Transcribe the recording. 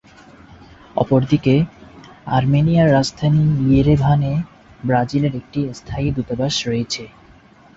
অপরদিকে, আর্মেনিয়ার রাজধানী ইয়েরেভান-এ ব্রাজিলের একটি স্থায়ী দূতাবাস রয়েছে।